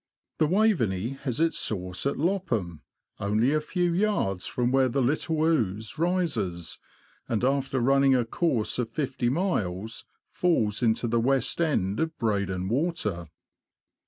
The Waveney has its source at Lopham, only a few yards from where the Little Ouse rises, and after running a course of fifty miles, falls into the west end of Breydon Water.